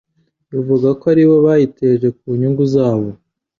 ivuga ko aribo bayiteje ku nyungu zabo.